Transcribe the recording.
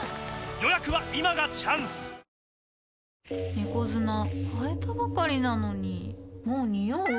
猫砂替えたばかりなのにもうニオう？